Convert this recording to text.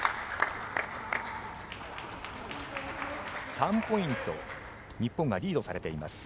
３ポイント日本がリードされています。